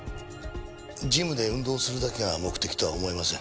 ジムで運動するだけが目的とは思えません。